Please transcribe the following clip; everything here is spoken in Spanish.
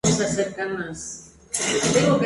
Makoto Furukawa